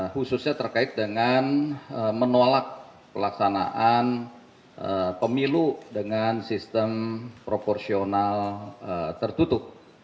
khususnya terkait dengan menolak pelaksanaan pemilu dengan sistem proporsional tertutup